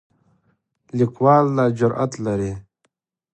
لیکوال دا جرئت لري.